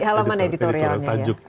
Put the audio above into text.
di halaman editorial tajuk